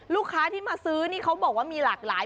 ลูกค้าที่มาซื้อนี่เขาบอกว่ามีหลากหลาย